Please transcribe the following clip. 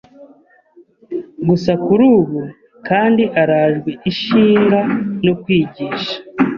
gusa kuri ubu kandi arajwe ishinga no kwigisha